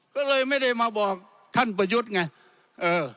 ก็เลยไม่ได้มาบอกท่านประยุทธ์ไงเออ